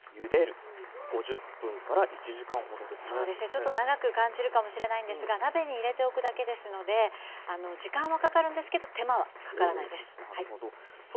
ちょっと長く感じるかもしれないんですが鍋に入れておくだけですので時間はかかるんですけど手間はかからないです。